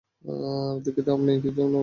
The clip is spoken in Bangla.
দুঃখিত আপনি কী যেনো বলেছিলেন পারবে তুমি?